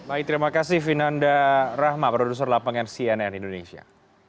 baik terima kasih vinanda rahma produser lapangan cnn indonesia